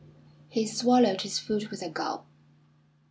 He swallowed his food with a gulp.